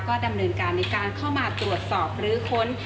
ก็ดำเนินการในการเข้ามาตรวจสอบหรือค้น